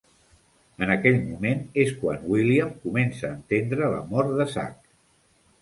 En aquell moment és quan William comença a entendre la mort de Zach.